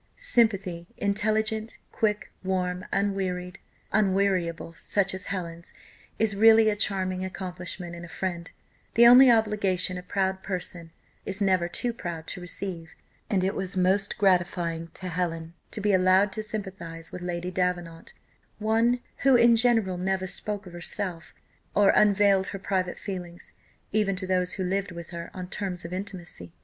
Sympathy, intelligent, quick, warm, unwearied, unweariable, such as Helen's, is really a charming accomplishment in a friend; the only obligation a proud person, is never too proud to receive; and it was most gratifying to Helen to be allowed to sympathise with Lady Davenant one who, in general, never spoke of herself, or unveiled her private feelings, even to those who lived with her on terms of intimacy.